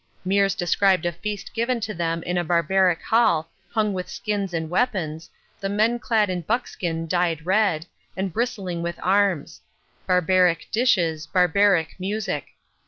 Meares described a feast given to them in a barbaric hall hung with skins and weapons, the men clad in buckskin dyed red, and bristling with arms; barbaric dishes, barbaric music.